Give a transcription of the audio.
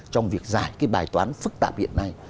trong việc giải cái bài toán phức tạp hiện nay